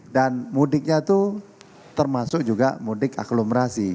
dan mudiknya itu termasuk juga mudik aglomerasi